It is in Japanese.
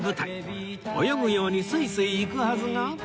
泳ぐようにスイスイ行くはずが